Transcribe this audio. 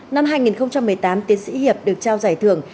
năm hai nghìn một mươi tám tiến sĩ hiệp được trao giải thưởng